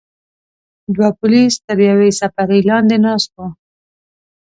دوه پولیس تر یوې څپرې لاندې ناست وو.